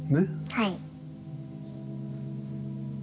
はい。